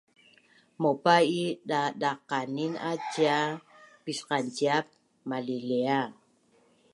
Maupai’ daqdaqanina cia pisqanciap malilia